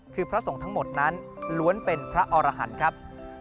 คือพระสงฆ์ทั้งหมดนั้นล้วนเป็นพระอรหันต์ครับ